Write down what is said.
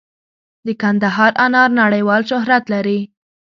د کندهار انار نړیوال شهرت لري.